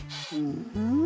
うん。